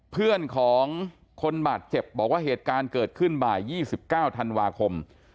เพื่อนของคนบาดเจ็บบอกว่าเหตุการณ์เกิดขึ้นบ่าย๒๙ธันวาคม